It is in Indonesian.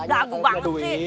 dagu banget sih